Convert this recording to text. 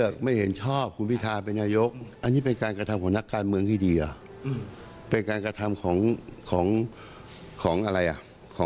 ก็ไม่เห็นชอบอยู่นั่นแหละครับ